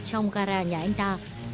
trong gara nhà anh ta